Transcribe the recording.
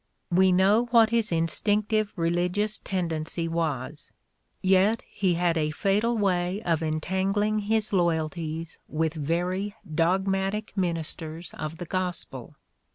We know what his in stinctive religious tendency was; yet he had a fatal way of entangling his loyalties with very dogmatic ministers of the gospel.